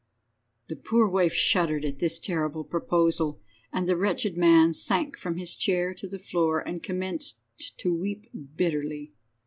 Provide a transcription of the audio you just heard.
The poor wife shuddered at this terrible proposal, and the wretched man sank from his chair to the floor, and commenced to weep bitterly.